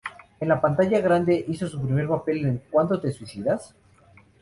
En la pantalla grande hizo su primer papel en "¿Cuándo te suicidas?